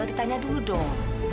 ditanya dulu dong